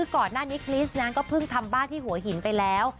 ก่อนนั้นก็เพิ่งทำบ้านที่หัวหินไปแล้ว